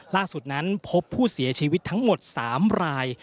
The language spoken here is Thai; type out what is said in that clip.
ล่าสุดนั้นพบผู้เสียชีวิตทั้งหมด๓ราย